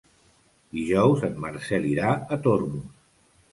Dijous en Marcel irà a Tormos.